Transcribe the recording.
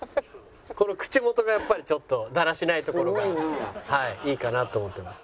この口元がやっぱりちょっとだらしないところがいいかなと思ってます。